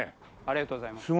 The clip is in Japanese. ありがとうございます。